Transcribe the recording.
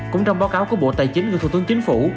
cũng trong báo cáo của bộ tài chính của thủ tướng chính phủ